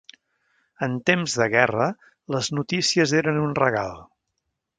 En temps de guerra, les notícies eren un regal.